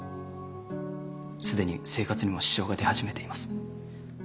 すでに生活にも支障が出始めています。